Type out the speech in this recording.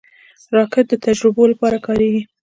راکټ د تجربو لپاره کارېږي